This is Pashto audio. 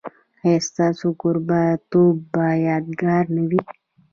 ایا ستاسو کوربه توب به یادګار نه وي؟